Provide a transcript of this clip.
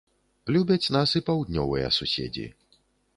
Любяць нас і паўднёвыя суседзі.